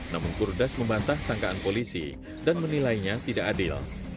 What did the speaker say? namun kurdas membantah sangkaan polisi dan menilainya tidak adil